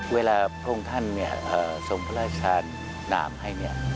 เวลาพวกท่านส่งพระราชทานนามให้